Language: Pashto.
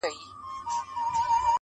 درته ایښي د څپلیو دي رنګونه!٫